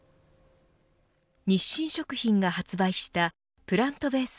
日清食品が発売したプラントベース